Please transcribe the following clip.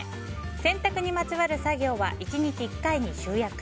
洗濯にまつわる作業は１日１回に集約。